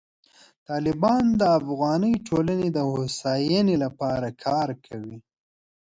طالبان د افغاني ټولنې د هوساینې لپاره کار کوي.